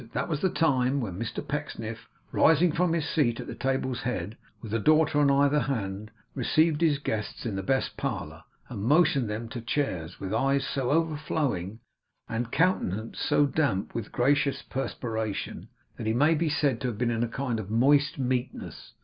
That was the time. When Mr Pecksniff, rising from his seat at the table's head, with a daughter on either hand, received his guests in the best parlour and motioned them to chairs, with eyes so overflowing and countenance so damp with gracious perspiration, that he may be said to have been in a kind of moist meekness!